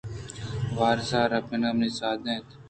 وارس ءُ رپیک منی سْیاد اَنت